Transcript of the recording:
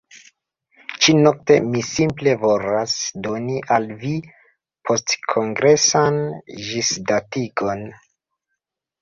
Ĉi-nokte mi simple volas doni al vi postkongresan ĝisdatigon